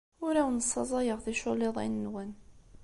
Ur awen-ssaẓayeɣ ticulliḍin-nwen.